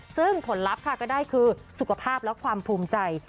ซึ่งผลลัพธ์ค่ะก็ได้คือสุขภาพและความภูมิใจ